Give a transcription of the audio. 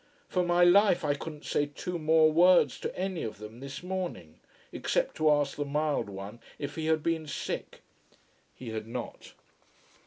For my life I couldn't say two more words to any of them this morning: except to ask the mild one if he had been sick. He had not.